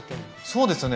そうですよね